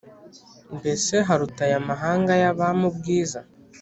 Mbese haruta aya mahanga y’abami ubwiza